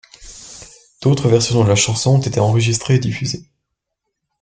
D’autres versions de la chanson ont été enregistrées et diffusées.